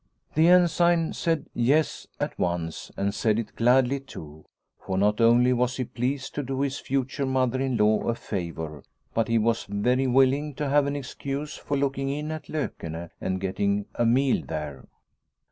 The Ensign said "yes" at once, and said it gladly too, for not only was he pleased to do his future mother in law a favour, but he was very willing to have an excuse for looking in at Lokene and getting a meal there.